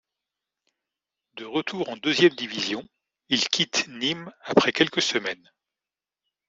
De retour en deuxième division, il quitte Nîmes après quelques semaines.